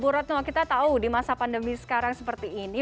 bu retno kita tahu di masa pandemi sekarang seperti ini